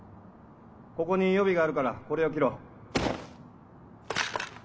ここに予備があるからこれを着ろ。